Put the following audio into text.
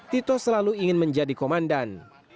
tito selalu ingin menjadi komandan